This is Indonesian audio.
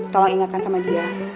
tolong ingatkan sama dia